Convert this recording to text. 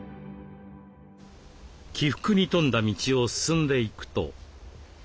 起伏に富んだ道を進んでいくと。